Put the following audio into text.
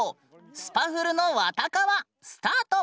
スパフルの「わたかわ」スタート！